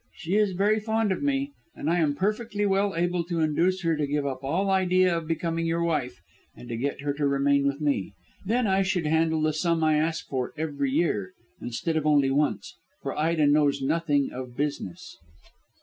She is very fond of me, and I am perfectly well able to induce her to give up all idea of becoming your wife, and to get her to remain with me. Then I should handle the sum I ask for every year instead of only once, for Ida knows nothing of business."